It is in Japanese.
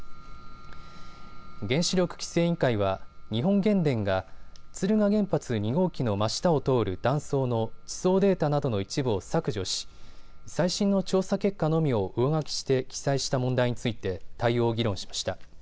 原子力規制委員会は日本原電が敦賀原発２号機の真下を通る断層の地層データなどの一部を削除し最新の調査結果のみを上書きして記載した問題について対応を議論しました。